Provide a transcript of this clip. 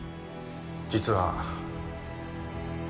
実は。